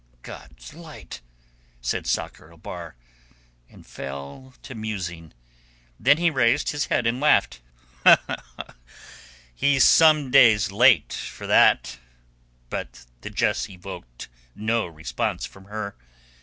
"God's light!" said Sakr el Bahr, and fell to musing. Then he raised his head and laughed. "Faith, he's some days late for that!" But the jest evoked no response from her.